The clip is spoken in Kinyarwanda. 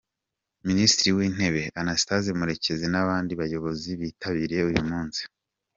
Minisitiri w’Intebe, Anastase Murekezi n’abandi bayobozi bitabiriye uyu munsi.